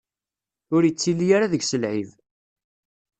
Ur ittili ara deg-s lɛib.